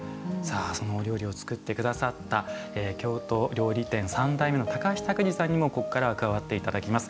そのお料理を作ってくださった京料理店三代目の高橋拓児さんにもここからは加わっていただきます。